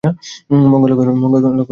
মঙ্গলা কহিল, সত্যি নাকি?